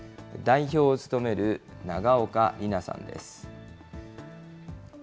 代表を務める永岡里菜さんです。